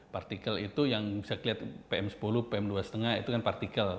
partikel itu yang bisa kelihatan pm sepuluh pm dua lima itu kan partikel